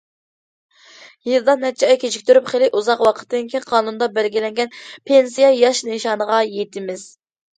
يىلدا نەچچە ئاي كېچىكتۈرۈپ، خېلى ئۇزاق ۋاقىتتىن كېيىن قانۇندا بەلگىلەنگەن پېنسىيە ياش نىشانىغا يېتىمىز.